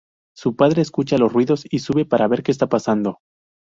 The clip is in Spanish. Su padre escucha los ruidos y sube para ver que estaba pasando.